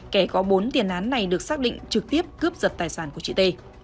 kẻ có bốn tiền án này được xác định trực tiếp cướp giật tài sản của chị t